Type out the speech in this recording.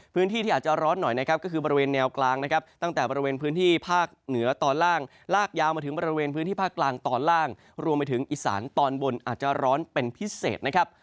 พื้นที่ที่อาจจะร้อนหน่อยนะครับก็คือบริเวณแนวกลางนะครับตั้งแต่บริเวณพื้นที่ภาคเหนือตอนล่างลากยาวมาถึงบริเวณพื้นที่ภาคกลางตอนล่างรวมไปถึงอีสานตอนบนอาจจะร้อนเป็นพิเศษนะครับ